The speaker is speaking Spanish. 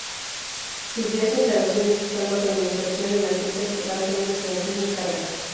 Sus vías e instalaciones están bajo administración de la empresa estatal Trenes Argentinos Cargas.